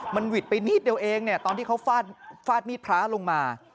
มันหวิดไปนิดเดียวเองตอนที่เขาฟาดมีดพระลงมา